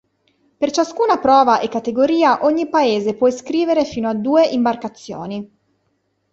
Per ciascuna prova e categoria ogni Paese può iscrivere fino a due imbarcazioni.